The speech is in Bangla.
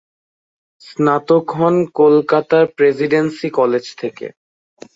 স্নাতক হন কলকাতার প্রেসিডেন্সি কলেজ থেকে।